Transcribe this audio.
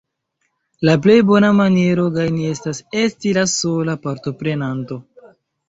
La plej bona maniero gajni estas esti la sola partoprenanto.